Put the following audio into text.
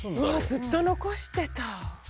ずっと残してた。